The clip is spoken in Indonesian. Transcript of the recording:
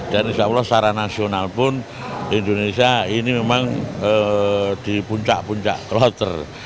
dan insya allah secara nasional pun indonesia ini memang di puncak puncak kloter